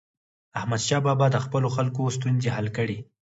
احمدشاه بابا د خپلو خلکو ستونزې حل کړي.